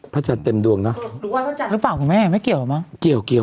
พระจันทร์เต็มดวงนะหรือเปล่าคุณแม่ไม่เกี่ยวหรือเปล่า